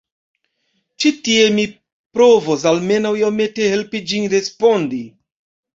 Ĉi tie mi provos almenaŭ iomete helpi ĝin respondi.